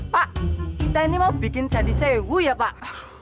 pak kita ini mau bikin jadi sewu ya pak